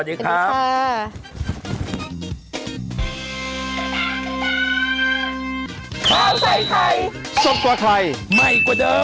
โปรดติดตามตอนต่อไป